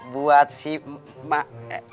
buat si mbak